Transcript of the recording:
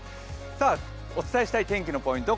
お伝えしたい天気のポイント